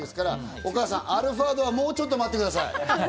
お母さん、アルファードはもうちょっと待ってください。